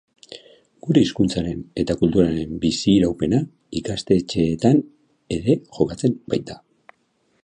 Gure hizkuntzaren eta kulturaren biziraupena ikastetxeetan ere jokatzen baita.